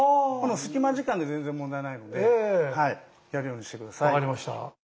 隙間時間で全然問題ないのでやるようにして下さい。